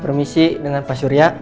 permisi dengan pak surya